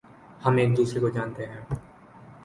ہم ایک دوسرے کو جانتے ہیں